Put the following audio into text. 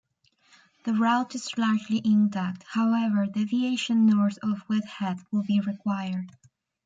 The route is largely intact, however deviation north of Westhead would be required.